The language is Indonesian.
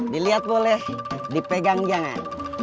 dilihat boleh dipegang jangan